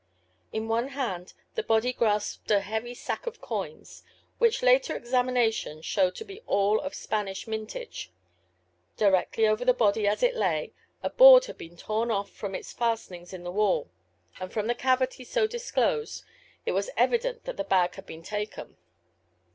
In one hand the body grasped a heavy sack of coins, which later examination showed to be all of old Spanish mintage. Directly over the body as it lay, a board had been torn from its fastenings in the wall, and from the cavity so disclosed it was evident that the bag had been taken.